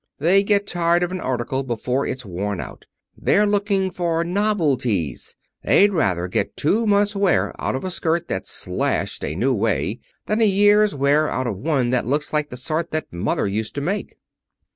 They get tired of an article before it's worn out. They're looking for novelties. They'd rather get two months' wear out of a skirt that's slashed a new way, than a year's wear out of one that looks like the sort that mother used to make."